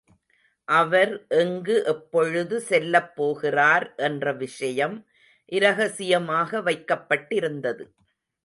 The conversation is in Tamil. அவர் எங்கு எப்பொழுது செல்லப்போகிறார் என்ற விஷயம் இரகசியமாக வைக்கப்பட்டிருந்தது.